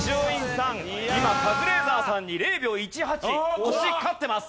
今カズレーザーさんに０秒１８押し勝ってます。